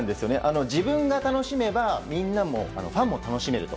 自分が楽しめばみんなもファンも楽しめると。